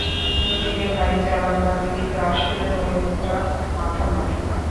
নিজেকে ভারি চালাক ভাবে কিন্তু আসলে ও একটা মাথামোটা।